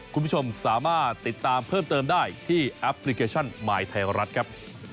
คุณผู้ชมสามารถติดตามเพิ่มเติมได้ที่แอปพลิเคชันมายไทยรัฐครับ